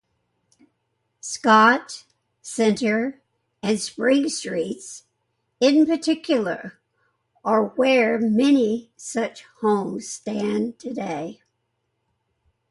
Scott, Center and Spring streets, in particular, are where many such homes stand today.